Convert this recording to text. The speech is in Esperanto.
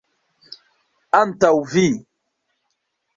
Antaŭ vi?